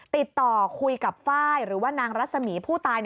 ติดต่อคุยกับไฟล์หรือว่านางรัศมีผู้ตาย